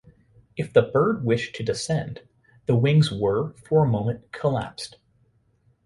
If the bird wished to descend, the wings were for a moment collapsed.